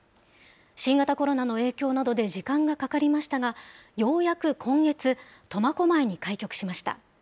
新型コロナの影響などで時間がかかりましたが、ようやく今月、苫小牧に開局しました。